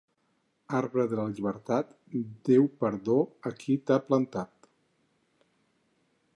Arbre de la llibertat, Déu perdó a qui t'ha plantat.